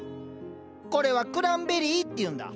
これはクランベリーっていうんだ。